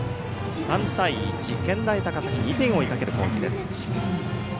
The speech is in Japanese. ３対１、健大高崎２点を追いかける展開です。